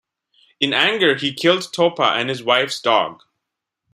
In anger, he killed Topa, and his wife's dog.